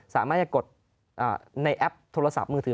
สามารถจะกดในแอปโทรศัพท์มือถือ